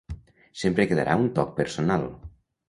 Sempre quedarà un toc personal.